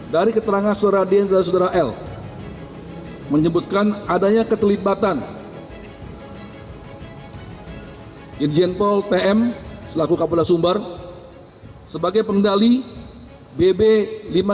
dari keterangan sudara d dan sudara l menyebutkan adanya keterlibatan jendol tm selaku kabupaten sumbar sebagai pengendali bb lima kg sabu dan sumbar